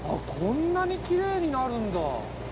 こんなにきれいになるんだ。